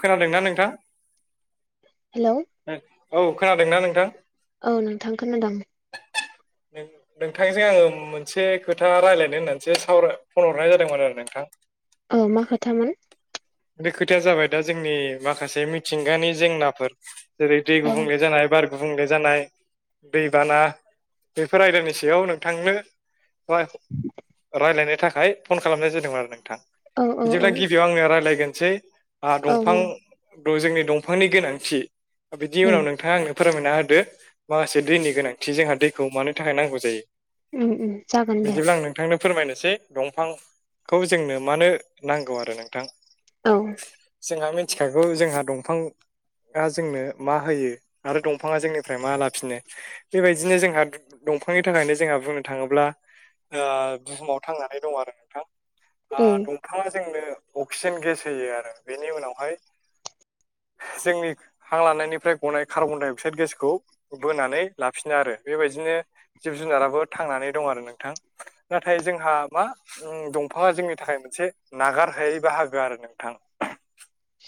खोनादों ना नोंथां हेल' औ खोनादोंना नोंथां? औ नोंथां खोनादों [inaudible] नों नोंथांजों आङो मोनसे खोथा रायज्लायनो होननानैसो सावरा फन हरनाय जादोंमोन आरो नोंथां [inaudible] औ मा खोथामोन बे खोथाया जाबाय दा जोंनि माखासे मिथिंगानि जेंनाफोर जेरै दै औ गुबुंले जानाय बार गुबुंले जानाय दैबाना बेफोर आयदानि सायाव नोंथांनो रां राय्लायनो थाखाय फन खालामनाय जादोंमोन आरो नोंथां औ औ बिदिब्ला गिबियाव आंनो रायज्लायगोनसै ओ औ दंफां दे जोंनि दंफांनि गोनांथि बिनि उम उनाव नोंथाङा आंनो फोरमायना होदो माखासे दैनि गोनांथि जोंहा दैखौ मानो थाखाय नांगौ जायो। उम उम जागोन दे बिदिब्ला आं नोंथांनो फोरमायनोसै दंफांखौ जोंनो मानो नांगौ आरो नोंथां औ जोंहा मिथिखागौ जोंहा दंफां जोंनो मा होयो आरो दंफाङा जोंनिफ्राय मा लाफिनो। बेबायदिनो जोंहा दंफांनि थाखायनो जोंहा बुंनो थाङोब्ला ओ बुहुमाव थांनानै दं आरो नोंथां। आं दंफाङा जोंनो अक्सिजेन गेस होयो आरो बेनि उनावहाय जोंनि हां लानायनिफ्राय गनाय कार्बन डाइ अक्साइद गेसखौ बोनानै लाफिनो आरो बेबायदिनो जिब जुनाराबो थांनानै दं आरो नोंथां नाथाय जोंहा मा उम दंफांआ जोंनि थाखाय मोनसे नागार हायै बाहागो आरो नोंथां।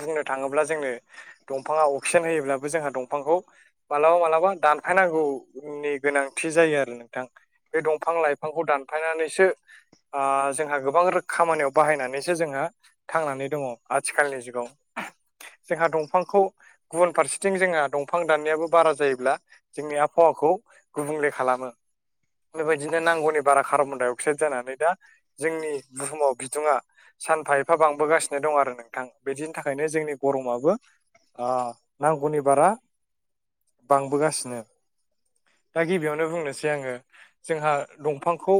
बुंनो थाङोब्ला जोंनो दंफाङा अक्सिजेन होयोब्लाबो जोंहा दंफांखौ मालाबा मालाबा दानफायनांगौनि गोनांथि जायो आरो नोंथां। बे दंफां लाइफांखौ दानफायनानैसो ओ जोंहा गोबां खामानियाव बाहायनानैसो जोंहा थांनानै दङ। आथिखालनि जुगाव। जोंहा दंफांखौ गुबुन फारसेथिं जोंहा दंफां दाननायाबो बारा जायोब्ला जोंनि आबहावाखौ गुबुंले खालामो। बेबायदिनो नांगौनि बारा कार्बन डाइ अक्साइड जानानै दा जोंनि बुहुमाव बिदुङा सानफा एफा बांबोगासिनो दं आरो नों थां बिदिनि थाखायनो जोंनि गरमआबो ओ नांगौनि बारा बांबोगासिनो। दा गिबियावनो बुंनोसै आङो जोंहा दंफांखौ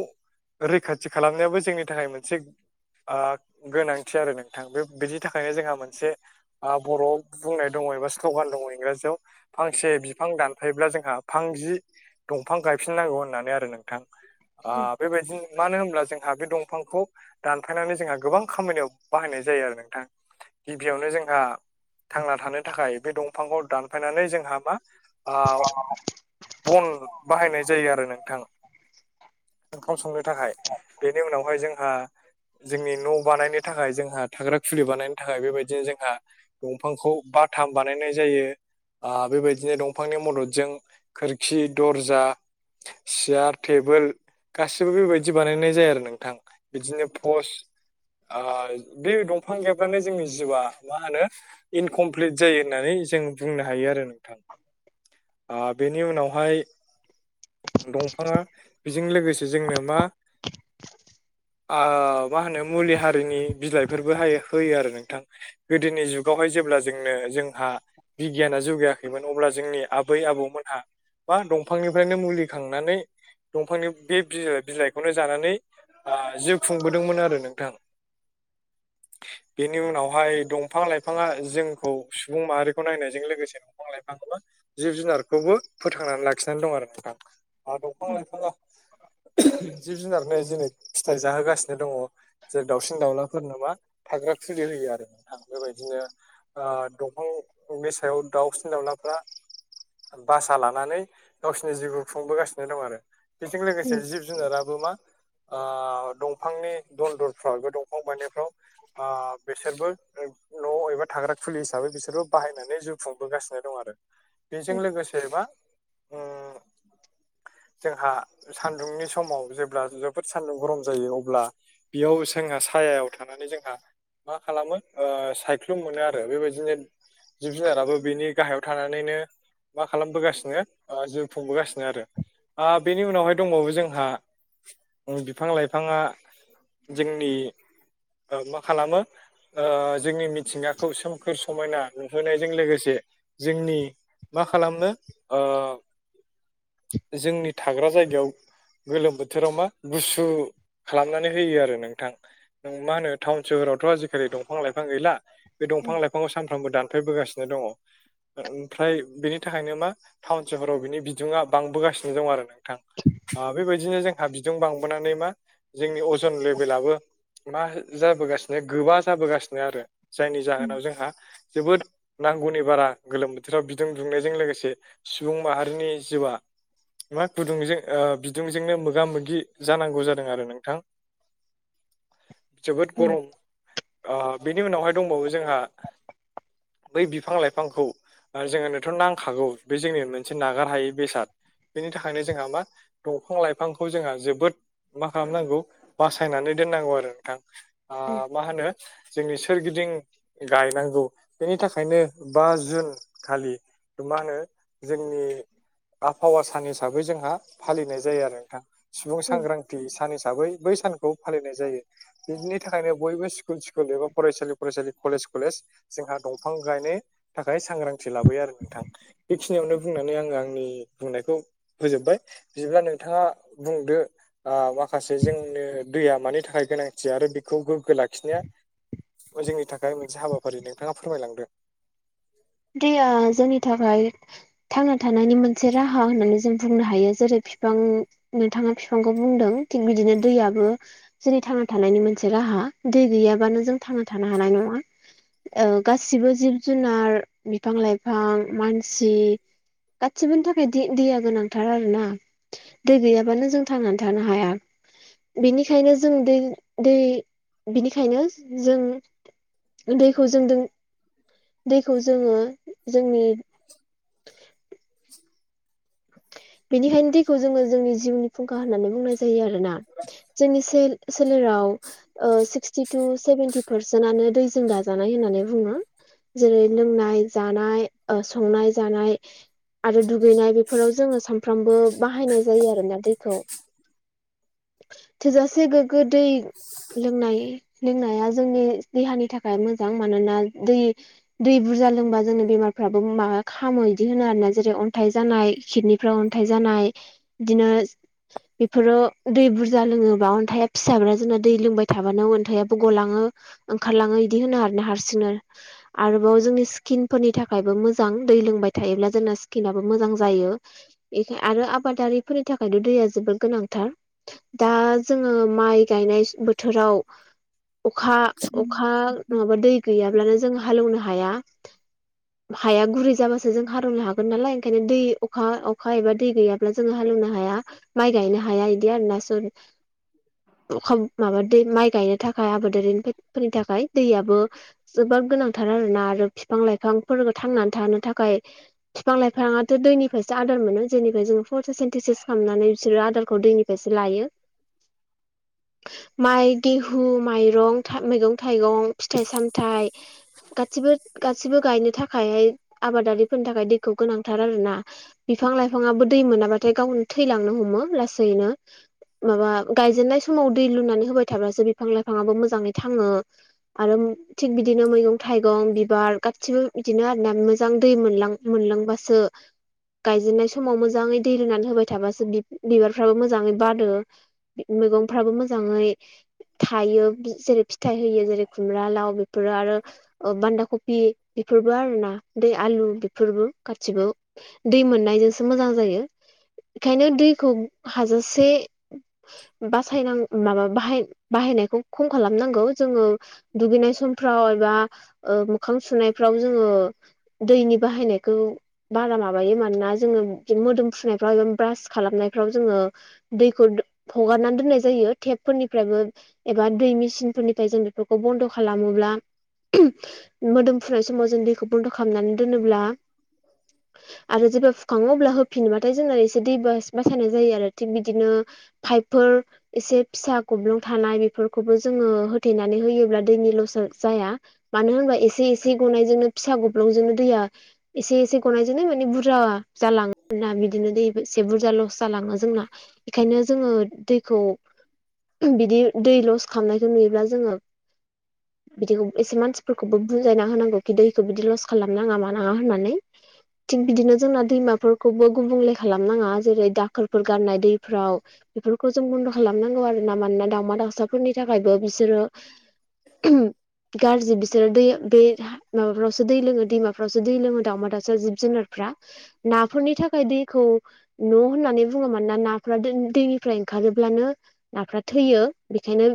रैखाथि खालामनायाबो जोंनि थाखाय मोनसे ओ गोनांथि आरो नोंथां बे बिदि बिनि थाखायनो जोंहा मोनसे ओ बर'आव बुंनाय दङ एबा स्ल'गान दङ इंराजियाव। फांसे बिफां दानफायोब्ला जोंहा फां जि दंफां गायफिननांगौ होननानै आरो नोंथां। ओ बेबायदिनो मानो होनब्ला जोंहा बे दंफांखौ दानफायनानै जोंहा गोबां खामानियाव बाहायनाय जायो आरो नोंथां। गिबियावनो जोंहा थांना थानो थाखाय बे दंफांखौ दानफायनानै जोंहा मा आ बन बाहायनाय जायो आरो नोंथां। ओंखाम संनो थाखाय। बेनि उनावहाय जोंहा जोंनि न' बानायनो थाखाय जोंहा थाग्रा खुलि बानायनो थाखाय बेबायदिनो जोंहा दंफांखौ बाथाम बानायनाय जायो। आं बेबायदिनो दंफांनि मददजों खोरखि, दरजा चेयार, टेबोल गासिबो बेबायदि बानायनाय जायो आरो नोंथां। बिदिनो पस ओ बे दंफां गै याबानो जोंनि जिउआ मा होनो इनकमप्लिट जायो होननानै जों बुंनो हायो आरो नों थां ओ बेनि उनावहाय दंफाङा बेजों लोगोसे जोंनो मा आं मा होनो मुलि हारिनि बिलाइफोरबो हा होयो आरो नोंथां। गोदोनि जुगावहाय जेब्ला जोंनो जोंहा बिगियाना जौगायाखैमोन अब्ला जोंनि आबै आबौमोनहा बा दंफांनिफ्रायनो मुलि खांनानै दंफांनि बे बिलाइखौनो जानानै ओ जिउ खुंबोदोंमोन आरो नोंथां। बेनि उनावहाय दंफां लाइफाङा जोंखौ सुबुं माहारिखौ नायनायजों लोगोसे दंफां लाइफाङा जिब जुनारखौबो फोथांनानै लाखिनानै दं आरो नोंथां। आ दंफां लाइफाङा जिब जुनारनि जेरै फिथाइ जाहोगासिनो दङ जेरै दाउसिन दाउलाफोरनो मा थाग्रा खुलि होयो आरो नोंथां, बेबायदिनो आं दंफांनि सायाव दाउसिन दाउलाफ्रा भासा लानानै गावसिोरनि जिउखौ खुंबोगासिनो दं आरो बेजों लोगोसे उम जिब जोंङ दाबो मा दंफांनि दनदरफ्राव एा दंफां बायनायफ्राव ओ बेसोर बय न'आव बबेबा थाग्रा फुलि हिसाबै बिसोरबो बाहायनानै जिउ खुंबोगासिनो दं आरो बेजों लोगोसे बा उम जोंहा सान्दुंनि समाव जेब्ला जोबोद सान्दुं गरम जायो अब्ला बेयाव जोंहा सायायाव थानानै जोंहा मा खालामो ओ सायख्लुम मोनो आरो बेबायदिनो जिब जुनाराबो बिनि गाहायाव थानानैनो मा खालामबोगासिनो जिउ खुंबोगासिनो आरो बेनि उनावहाय दंबावो जोंहा बिफां लाइफाङा जोंनि मा खालामो जोंनि मिथिंगाखौ सोमखोर समायना नुहोनायजों लोगोसे जोंनि मा खालामनो जोंनि थाग्रा जायगायाव गोलोम बोथोराव मा गुसु खालामनानै होयो आरो नोंथां नों मा होनो टाउन सोहरावथ' आजिखालि दंफां लाइफां गैला बे दंफां लाइफाङखौ सानफ्रामबो दानफायबोगासिनो दङ ओमफ्राय बेनि थाखायनो मा टाउन सहराव बिनि बिदङा बांबोगासिनो दं आरो नोंथां बेबायदिनो जोंहा बिदुं बांबोनानै मा जोंनि अजन लेभेलाबो मा जाबोगासिनो गोबा जाबोगासिनो आरो जायनि उम जाहोनाव जोंहा जोबोद नांगौनि बारा गोलोम बोथोराव बिदुं दुंनायजों लोगोसे सुबुं माहारिनि जिउआ मा गुदुंजों बिदुंजोंनो मोगा मोगि जानांगौ जादों आरो नोंथां जोबोद उम गरम बेनि उनावहाय दंबावो जोंहा बै बिफां लाइफांखौ जोंङोनोथ' नांखागौ बे जोंनि मोनसे नागार हायि बेसाद बेनि थाखायनो जोंहा मा दंफां लाइफांखौ जोंहा जोबोद मा खालामनांगौ बासायनानै दोननांगौ आरो मा होनो जोंनि सोरगिदिं गायनांगौ बेनि थाखायनो बा जुन खालि मा होनो जोंनि आबहावा सान हिसाबै जोंहा फालिनाय जायो आरो नोंथां सुबुं उम सांग्रांथि सान हिसाबै बै सानखौ फालिनाय जायो बिनि थाखायनो बयबो स्कुल स्कुल एबा फरायसालि फरायसालि कलेज कलेज जोंहा दंफां गायनो थाखाय सांग्रांथि लाबोयो आरो नोंथां बेखिनियावनो बुंनानै आङो आंनि बुंनायखौ होजोब्बाय बिदिब्ला नोंथाङा बुंदो माखासे जोंनो दैया मानि थाखाय गोनांथि आरो बेखौ गोग्गो लाखिनाया जोंनि थाखाय मोनसे हाबाफारि नोंथाङा फोरमायलांदों दया जोंनि थाखाय थांना थानायनि मोनसे राहा होननानै जों बुंनो हायो जेरै बििफां नोंथाङा बिफांखौ बुंदों थिग बिदिनो दैयाबो जोंनि थांना थानायनि मोनसे राहा दै गैयाबानो जों थांना थानो हानाय नङा गासिबो जिब जुनार बिफां लाइफां मानसि गासिबोनि थाखाय दैया गोनांथार आरो ना दै गैयाबानो जों थांनानै थानो हाया बिनिखायनो जों दै दै बिनिखायनो जों दैखौ जों दैखौ जोङो जोंनि बेनिखायनो दैखौ जोङो जोंनि जिउनि फुंखा होननानै बुंनाय जायो आरोना जोंनि सोलेराव सिक्सटि टु सेभेेनटि पारसेन्टनो दैजों दाजानाय होननानै बुङो जेरै लोंनाय जानाय ओ संनाय जानाय आरो दुगैनाय बेफोराव जोङो सानफ्रामबो बाहायनाय जायो आरोना दैखौ थोजासे गोग्गो दै लोंनाय लोंनाया जोंनि देहानि थाखाय मोजां मानोना दै दै बुरजा लोंबा जों बेमारफ्राबो माबा खामो इदि होनो आरो ना जेरै अन्थाइ जानाय खिदनि फोराव अन्थाइ जानाय बिदिनो बेफोरो दै बुरजा लोङोबा अन्थाइा फिसाद्राय जाना दै लोंबाय थाबानो अन्थाइयाबो गलाङो ओंखारलाङो इदि होनो आर ना हारसिंनो आरोबाव जोंनि स्किन फोरनि थाखायबो मोजां दै लोंबाय थायोब्ला जोंना स्किनाबो मोजां जायो बेखाय आरो आबादारिफोरनि थाखायबो दैया जोबोर गोनांथार दा जोङो माइ गायनाय बोथोराव अखा अखा नङाबा दै गैयाब्लानो जों हालएवनो हाया हाया गुरै जाबासो जों हालएवनो हागोन नालाय ओंखायनो दै अखा अखा एबा दै गैयाब्ला जोङो हालएवनो हाया माइ गायनो हाया आरोना अखा माब दै माइ गायनो थाखाय आबादारि फोरनि थाखाय दैयाबो जोबोद गोनांथार आरोना आरो बिफां लाइफांफोर थांनानै थानो थाखाय बिफां लाइफाङआथ' दैनि फ्रायसो आदार मोनो जेनिफ्राय जोङो फथ सेन्टिसिस खालामनानै बिसोरो आदारखौ दैनिफ्रायसो लायो [inaudible] माइ गेहु माइरं मैगं थाइगं फिथाइ सामथाइ गासिबो गायनो थाखायहाय आबादारिफोरनि थाखाय दैखौ गोनांथार आर ना बिफां लाइफाङाबो दै मोनाब्लाथाय गावनो थैलांनो हमो लासैनो माबा गायजेननाय समाव दै लुनानै होबाय थाब्लासो बिफां लाइफांआबो मोजाङै थाङो आरो थिग बिदिनो मैगं थाइगं बिबार गासिबो बिदिनो आरोना मोजां दै मोनलां मोनलांबासो गायजेननाय समाव मोजाङै दै रुनानै होबाय थाबासो बिब बिबारफ्राबो मोजाङै बारो मैगंफ्राबो मोजाङै थायो जेरै फिथाइ होयो जेरै खुमब्रा लाव बेफोरो आरो बान्दा कपि बेफोरबो आरोना दै आलु बेफोरबो गासिबो दै मोननायजोंसो मोजां जायो बेखायनो दैखौ हाजासे बासायनां माबा बाहाय बाहायनायखौ खम खालामनांगौ जोङो दुगैनाय समफ्राव एबा ओ मोखां सुनायफ्राव जोङो दैनि बाहायनायखौ बारा माबा मायो मानोना जोङो मोदोम फुनायफ्राव एबा ब्रास खालामनायफ्राव जोङो दैखौ हगारनानै दोननाय जायो टेप फोरनिफ्रायबो एबा दै मेचिनफोरनिफ्राय जों बेफोरखौ बन्द' खालामोब्ला मोदोम फुनाय समाव जों दैखौ बन्द' खालामनानै दोनोब्ला आरो जेब्ला फुखाङो अब्ला होफिनबाथाय जों एसे दै बास बासायनाय जायो आरो थिग बिदिनो फाइभफोर एसे फिसा गब्लं थानाय बेफोरखौबो जोङो होथेनानै होयोब्ला दैनि लस जाया मानो होनबा एसे एसे गनायजोंनो फिसा गब्लंजोंनो दैया एसे एसे गनायजोंनो माने बुरजा जालाङो आर ना बिदिनो दै एसे बुरजा लस जालाङो जोंना बेखायनो जोङो दैखौ बिदि दै लस खालामनाय जों नुयोब्ला जोङो बिदिखौ एसे मानसिफोरखौबो बुजायना होनांगौ कि दैखौ बिदि लस खालामनाङा मानाङा होननानै थिग बिदिनो जोंना दैमाफोरखौबो गुबुंले खालामनाङा जेरै दाखोरफोर गारनाय दैफोराव बेफोरखौ जों बन्द' खालामनांगौ आरो ना मानोना दाउमा दाउसाफोरनि थाखायबो बिसोरो गाज्रि बिसोरो दै बे माबाफ्रावसो दै लोङो दैमाफ्रावसो दै दै लोङो दावउमा दाउसा जिब जुनारफ्रा नाफोरनि थाखाय दैखौ न होननानै बुङो मानोना नाफोरा दैनिफ्राय ओंखारोब्लानो नाफ्रा थैयो बेखायनो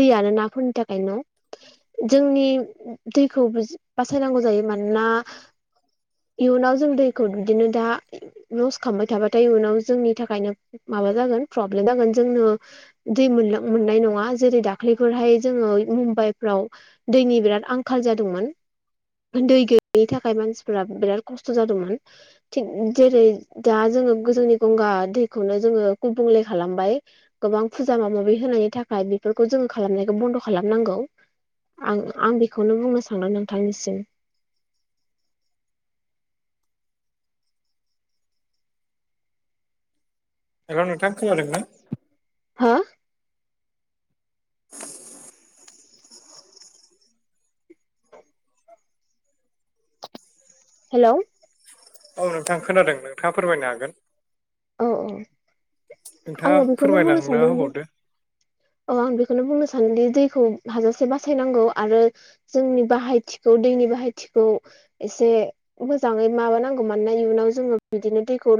दैयानो नाफोरनि थाखाय न' जोंनि दैखौ बासायनांगौ जायो मानोना इयुनाव जों दैखौ दुगैनो दा लस खालामबाय थाबाथाय उनाव जोंनि थाखायनो माबा जागोन प्रब्लेम जागोन जोंनो दै मोनलां मोननाय नङा जेरै दाख्लैफोरहाय जोङो मुम्बाइफ्राव दैनि बिराद आंखाल जादोंमोन दै गैयैनि थाखाय मानसिफोरा बिराद खस्थ जादोंमोन थिग जेरै दा जोङो जोंनि गंगार दैखौनो जोङो गुबुंले खालामबाय गोबां फुजा माबा माबि होनायनि थाखाय बेफोरखौ जोङो खालामनायखौ बन्द खालामनांगौ। आं आं बेखौनो बुंनो सानदों नोंथांनिसिम हेलौ नोंथां खोनादों ना? हो? हेलौ औ नोंथां खोनादों नोंथाङा फोरमायनो हागोन। औ औ नोंथाङा आङो बेखौनो बुंनो फोरमायलांना सानदोंदि होबावदो औ आं बेखौनो बुंनो सानोदि दैखौ हाजासे बासायनांगौ आरो जोंनि बाहायथिखौ दैनि बाहायथिखौ एसे मोजाङै माबानांगौ मानोना इयुनाव जोङो बिदिनो दैखौ